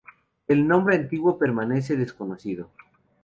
El nombre antiguo permanece desconocido.